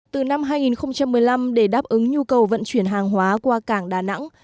từ năm hai nghìn một mươi năm để đáp ứng nhu cầu vận chuyển hàng hóa qua cảng đà nẵng